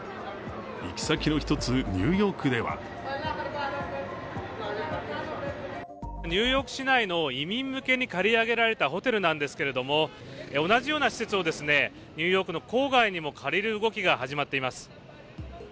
行き先の一つ、ニューヨークではニューヨーク市内の移民向けに借り上げられたホテルなんですけれども、同じような施設をニューヨークの郊外にも借りる動きが始まっています。